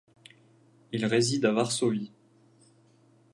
Il réside à Varsovie.